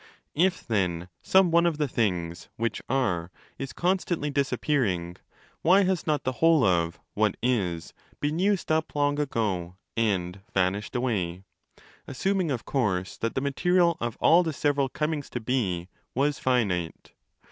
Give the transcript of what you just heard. If, then, some one of the things ' which are' is constantly disappearing, why has not the whole of ' what is' been used up long ago and vanished away—assuming of course that the material of all the several comings to be was finite?